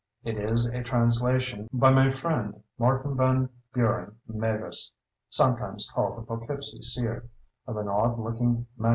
It is a translation, by my friend, Martin Van Buren Mavis, (sometimes called the "Poughkeepsie Seer") of an odd looking MS.